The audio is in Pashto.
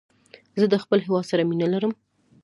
زه د خپل هېواد سره مینه لرم